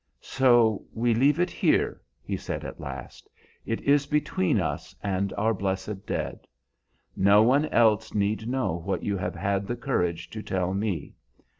"So we leave it here," he said at last. "It is between us and our blessed dead. No one else need know what you have had the courage to tell me.